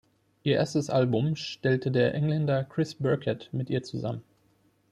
Ihr erstes Album stellte der Engländer Chris Birkett mit ihr zusammen.